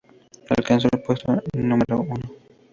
Alcanzó el puesto Nro.